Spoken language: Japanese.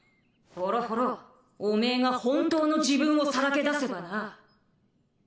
ホロホロおめえが本当の自分をさらけだせばな。